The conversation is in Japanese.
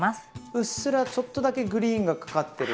うっすらちょっとだけグリーンがかかってる？